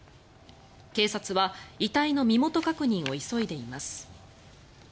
警察は、遺体の身元確認を急いでいます。